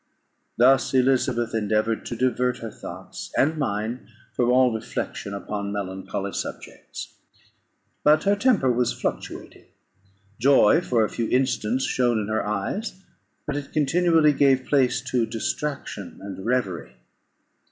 Thus Elizabeth endeavoured to divert her thoughts and mine from all reflection upon melancholy subjects. But her temper was fluctuating; joy for a few instants shone in her eyes, but it continually gave place to distraction and reverie.